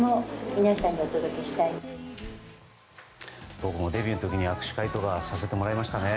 僕もデビューの時に握手会とかさせてもらいました。